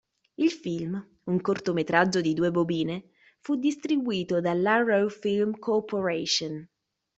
Il film, un cortometraggio di due bobine, fu distribuito dall'Arrow Film Corporation.